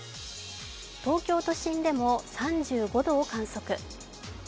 東京都心でも３５度を観測。